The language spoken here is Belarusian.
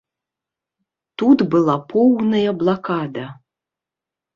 Тут была поўная блакада.